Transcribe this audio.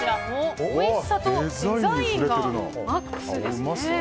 おいしさとデザインがマックスですね。